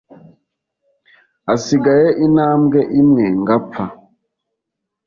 hasigaye intambwe imwe ngapfa.”